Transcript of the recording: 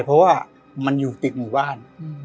เพราะว่ามันอยู่ติดหมู่บ้าน